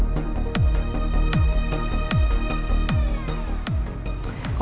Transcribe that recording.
ini udah berubah